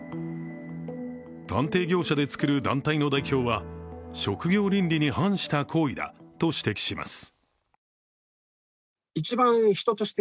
探偵業者でつくる団体の代表は職業倫理に反した行為だと指摘します。